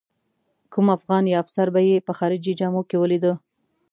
کوم افغان یا افسر به یې په خارجي جامو کې ولیده.